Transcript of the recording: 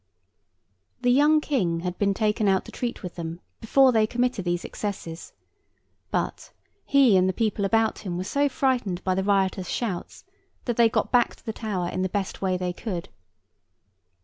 The young King had been taken out to treat with them before they committed these excesses; but, he and the people about him were so frightened by the riotous shouts, that they got back to the Tower in the best way they could.